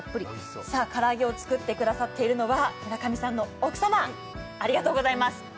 唐揚げを作ってくださっているのは村上さんの奥様、ありがとうございます。